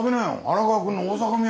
荒川君の大阪土産。